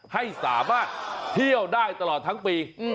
ให้สามารถเที่ยวได้ตลอดทั้งปี